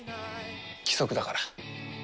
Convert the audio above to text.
規則だから。